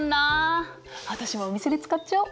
私もお店で使っちゃおう！